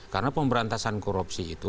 karena pemberantasan korupsi itu